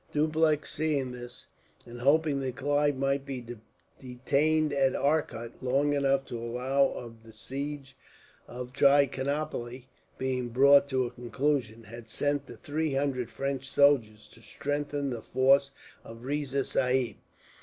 Dupleix, seeing this, and hoping that Clive might be detained at Arcot long enough to allow of the siege of Trichinopoli being brought to a conclusion, had sent the three hundred French soldiers to strengthen the force of Riza Sahib.